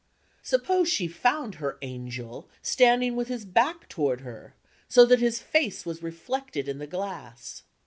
Suppose she found her angel standing with his back toward her, so that his face was reflected in the glass.